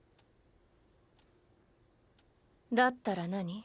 だったら何？